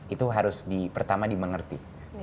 itu harus pertama dimengerti